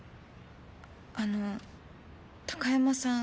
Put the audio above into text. あの高山さん